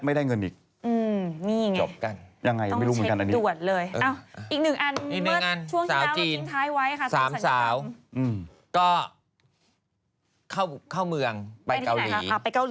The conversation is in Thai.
สามสาวก็เข้าเมืองไปเกาหรี